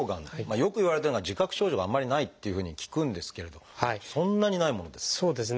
よくいわれてるのが自覚症状があんまりないっていうふうに聞くんですけれどそんなにないものですか？